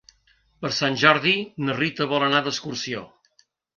Per Sant Jordi na Rita vol anar d'excursió.